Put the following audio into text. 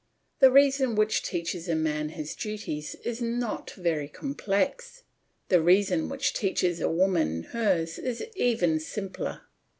The reason which teaches a man his duties is not very complex; the reason which teaches a woman hers is even simpler.